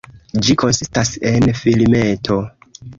Ĝi konsistas en filmeto.